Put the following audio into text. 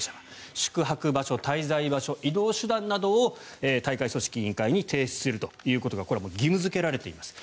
宿泊場所、滞在場所移動手段などを大会組織委員会に提出するということがこれは義務付けられています。